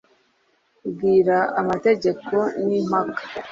Bwira amategeko ni impaka: